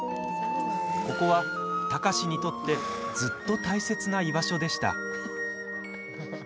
ここは貴司にとってずっと大切な居場所でした。